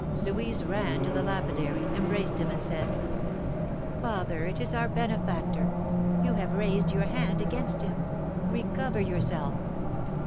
Louise ran to the lapidary, embraced him, and said: "Father, it is our benefactor! You have raised your hand against him, recover yourself."